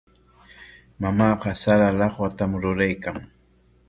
Mamaaqa sara lawatam ruraykan.